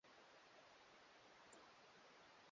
serious na kazi inayoifanya sababu hii kazi